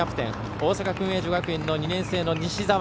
大阪薫英女学院の２年生の西澤。